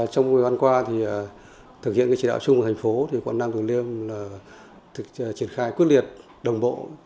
trong mùa văn qua thực hiện trị đạo chung của thành phố quận nam tử liêm triển khai quyết liệt đồng bộ